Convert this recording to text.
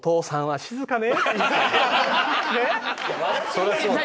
そりゃそうだ。